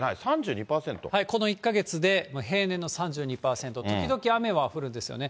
この１か月で、平年の３２％、時々、雨は降るんですよね。